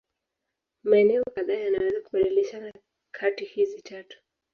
Maeneo kadhaa yanaweza kubadilishana kati hizi tatu.